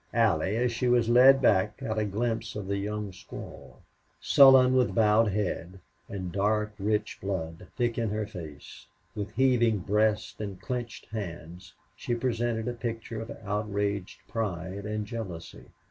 Allie, as she was led back, got a glimpse of the young squaw. Sullen, with bowed head, and dark rich blood thick in her face, with heaving breast and clenched hands, she presented a picture of outraged pride and jealousy.